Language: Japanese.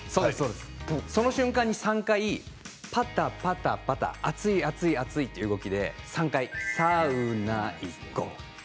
その瞬間に３回、ぱたぱたぱた熱い、熱い、熱いという動きで３回「サウナ行こう」。